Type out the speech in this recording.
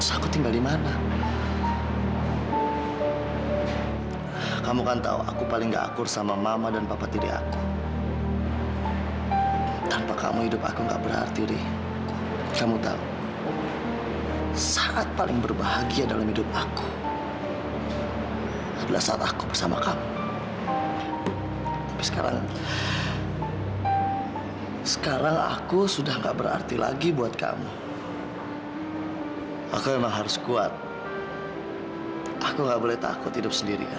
aku gak boleh takut hidup sendiri